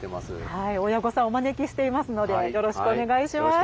はい親御さんをお招きしていますのでよろしくお願いします。